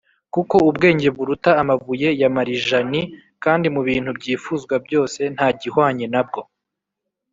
“kuko ubwenge buruta amabuye ya marijani, kandi mu bintu byifuzwa byose nta gihwanye na bwo